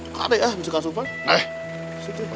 gimana ya bisa kasih upah